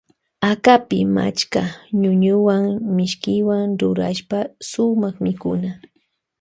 Akapi machka ñuñuwa mishkiwan rurashpa suma mikuna.